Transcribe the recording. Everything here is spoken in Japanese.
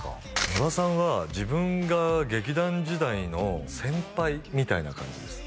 野田さんは自分が劇団時代の先輩みたいな感じです